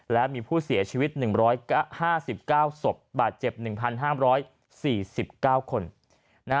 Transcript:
และมีผู้เสียชีวิต๑๕๙ศพบาดเจ็บ๑๕๔๙คน